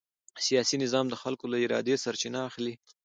سیاسي نظام د خلکو له ارادې سرچینه اخلي